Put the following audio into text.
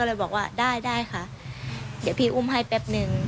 เลยบอกว่าได้ได้ค่ะเดี๋ยวพี่อุ้มให้แป๊บนึง